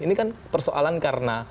ini kan persoalan karena